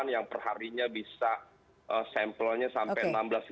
yang perharinya bisa sampelnya sampai enam belas tujuh ratus sebelas